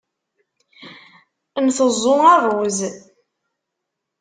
Nteẓẓu rruẓ.